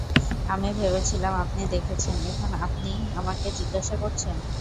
আমি ভেবেছিলাম আপনি দেখেছেন এখন আপনিই আমাকে জিজ্ঞেস করছেন?